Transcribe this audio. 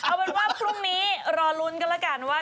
เอาเป็นว่าพรุ่งนี้รอลุ้นกันแล้วกันว่า